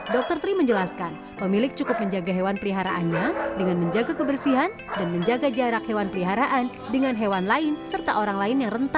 dr tri menjelaskan pemilik cukup menjaga hewan periharaannya dengan menjaga kebersihan dan menjaga jarak hewan periharaan dengan hewan lain sehingga dia bisa berhubung dengan manusia